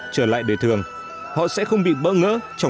trở lại đời thường họ sẽ không bị bỡ ngỡ